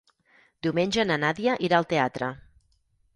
Diumenge na Nàdia irà al teatre.